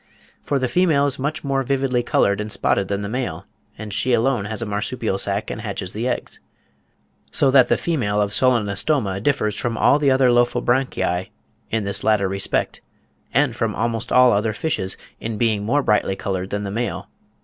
for the female is much more vividly coloured and spotted than the male, and she alone has a marsupial sack and hatches the eggs; so that the female of Solenostoma differs from all the other Lophobranchii in this latter respect, and from almost all other fishes, in being more brightly coloured than the male.